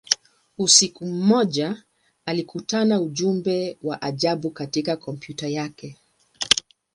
Usiku mmoja, alikutana ujumbe wa ajabu katika kompyuta yake.